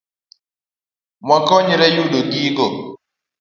Wakonyre yudo gigo